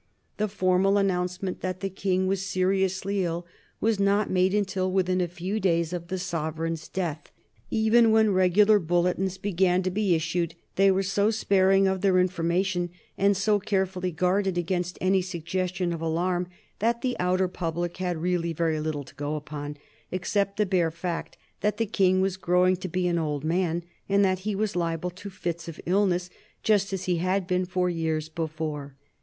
The formal announcement that the King was seriously ill was not made until within a few days of the sovereign's death. Even when regular bulletins began to be issued, they were so sparing of their information, and so carefully guarded against any suggestion of alarm, that the outer public had really very little to go upon, except the bare fact that the King was growing to be an old man, and that he was liable to fits of illness just as he had been for years before.